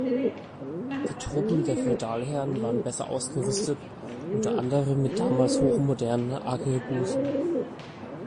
Die Truppen der Feudalherren waren besser ausgerüstet, unter anderem mit damals hochmodernen Arkebusen.